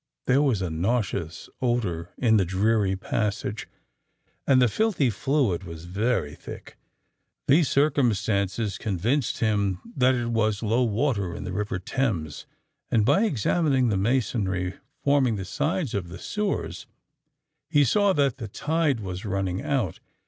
There was a nauseous odour in the dreary passage, and the filthy fluid was very thick. These circumstances convinced him that it was low water in the river Thames; and by examining the masonry forming the sides of the sewers, he saw that the tide was running out.